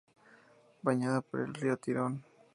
Bañada por el río Tirón.